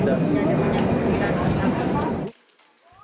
tidak ada kirasan